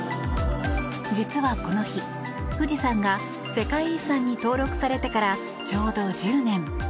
実はこの日、富士山が世界遺産に登録されてからちょうど１０年。